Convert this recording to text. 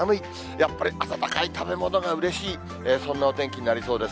やっぱり温かい食べ物がうれしい、そんなお天気になりそうです。